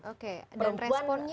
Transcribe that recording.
oke dan responnya